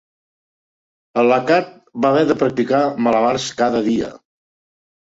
La Cat va haver de practicar malabars cada dia.